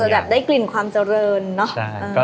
แบบได้กลิ่นความเจริญเนอะ